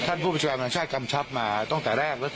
ท่านผู้ประชาบันดาลชาติกำชับมาตั้งแต่แรก